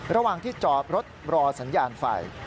ระหว่างที่จอดรถรอสัญญาณไฟ